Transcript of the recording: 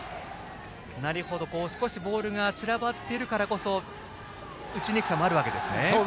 少しボールが散らばっているからこそ打ちにくさもあるわけですね。